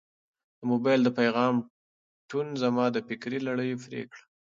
د موبایل د پیغام ټون زما د فکر لړۍ پرې کړه.